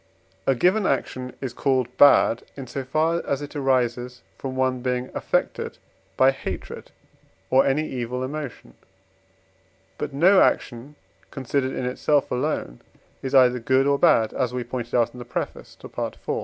A given action is called bad, in so far as it arises from one being affected by hatred or any evil emotion. But no action, considered in itself alone, is either good or bad (as we pointed out in the preface to Pt. IV.)